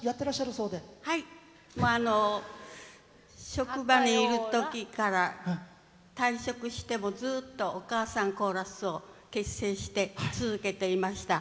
職場にいるときから退職してもずっとお母さんコーラスを結成して続けていました。